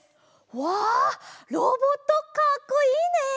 わあっロボットかっこいいね！